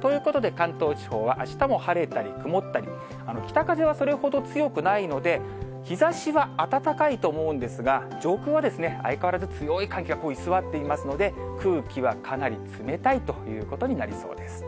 ということで、関東地方は、あしたも晴れたり曇ったり、北風はそれほど強くないので、日ざしは暖かいと思うんですが、上空は相変わらず強い寒気が居座っていますので、空気はかなり冷たいということになりそうです。